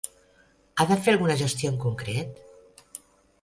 Ha de fer alguna gestió en concret?